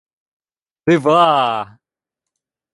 — Дива!